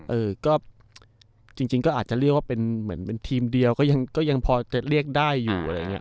เออก็จริงก็อาจจะเรียกว่าเป็นเหมือนเป็นทีมเดียวก็ยังพอจะเรียกได้อยู่อะไรอย่างนี้